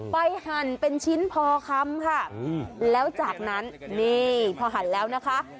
หั่นเป็นชิ้นพอคำค่ะแล้วจากนั้นนี่พอหั่นแล้วนะคะ